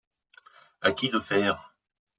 À qui de faire ?